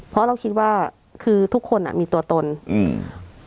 เพราะเราคิดว่าคือทุกคนอ่ะมีตัวตนอืม